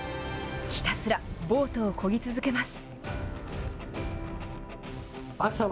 ひたすらボートをこぎ続けます。